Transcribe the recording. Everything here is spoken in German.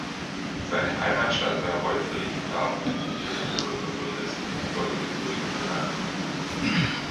Seine Heimatstadt Bayreuth verlieh ihm daraufhin die Ehrenbürgerwürde sowie die Goldene Bürgermedaille.